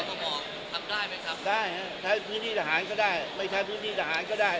ซึ่งต้องกระต่อเข้าถึงได้ใช้พื้นที่ทหารก็ได้ไม่ใช้พื้นที่ทหารก็ได้